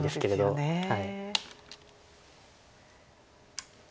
そうですね。